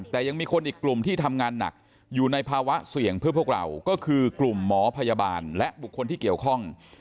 แต่ยังมีคนอีกกลุ่มที่ทำงานหนักอยู่ในภาวะเสี่ยงเพื่อพวกเราก็คือกลุ่มหมอพยาบาลและบุคคลที่เกี่ยวข้อง